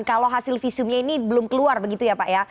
kalau hasil visumnya ini belum keluar begitu ya pak ya